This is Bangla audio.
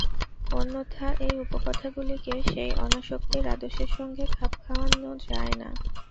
অন্যথা এই উপকথাগুলিকে সেই অনাসক্তির আদর্শের সঙ্গে খাপ খাওয়ান যায় না।